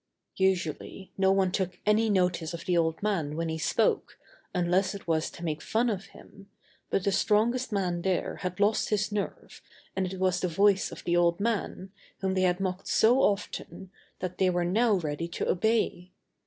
Usually no one took any notice of the old man when he spoke, unless it was to make fun of him, but the strongest man there had lost his nerve and it was the voice of the old man, whom they had mocked so often, that they were now ready to obey.